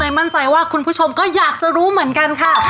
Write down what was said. มั่นใจว่าคุณผู้ชมก็อยากจะรู้เหมือนกันค่ะ